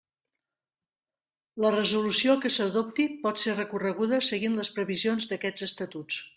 La resolució que s'adopti pot ser recorreguda seguint les previsions d'aquests Estatuts.